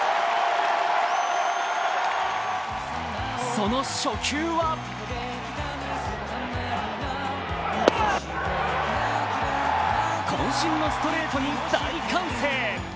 その初球はこん身のストレートに大歓声。